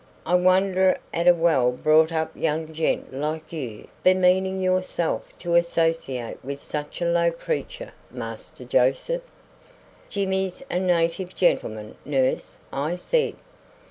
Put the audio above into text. "I wonder at a well brought up young gent like you bemeaning yourself to associate with such a low creature, Master Joseph." "Jimmy's a native gentleman, nurse," I said.